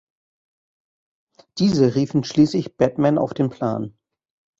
Diese riefen schließlich Batman auf den Plan.